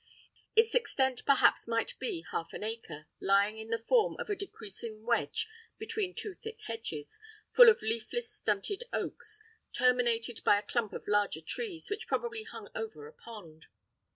Its extent perhaps might be half an acre, lying in the form of a decreasing wedge between two thick hedges, full of leafless stunted oaks, terminated by a clump of larger trees, which probably hung over a pond.